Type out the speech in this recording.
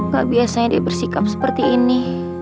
gak biasanya dia bersikap seperti ini